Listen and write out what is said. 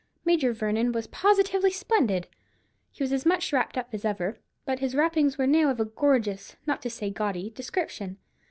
Major Vernon was positively splendid. He was as much wrapped up as ever; but his wrappings now were of a gorgeous, not to say gaudy, description.